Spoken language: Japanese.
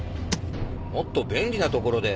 もっと便利なところで。